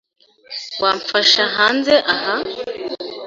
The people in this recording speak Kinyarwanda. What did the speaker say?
Wamfasha hanze aha?